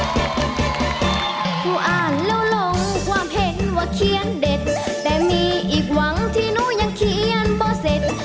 ครูอ่านแล้วลงความเห็นว่าเขียนเด็ดแต่มีอีกหวังที่หนูยังเขียนบ่เสร็จ